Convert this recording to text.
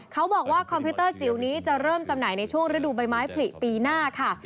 คอมพิวเตอร์จิ๋วนี้จะเริ่มจำหน่ายในช่วงฤดูใบไม้ผลิปีหน้าค่ะ